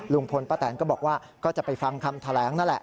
ลุงพลป้าแตนก็บอกว่าก็จะไปฟังคำแถลงนั่นแหละ